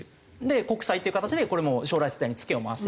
国債っていう形でこれもう将来世代につけを回してる。